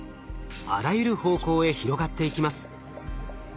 あらゆる方向へ広がっていきます。